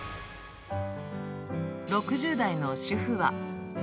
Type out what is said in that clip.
６０代の主婦は。